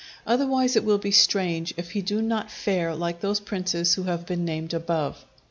Otherwise it will be strange if he do not fare like those princes who have been named above.